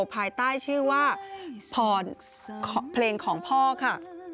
ภายใต้ชื่อว่าพรเพลงของพ่อค่ะ